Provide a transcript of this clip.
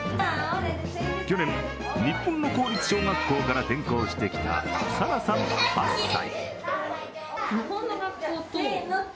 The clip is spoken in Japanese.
去年日本の公立小学校から転校してきた彩蘭さん８歳。